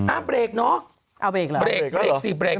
อ้าวเบรกเนอะเอาเบรกแล้วเหรอเบรกสิเบรก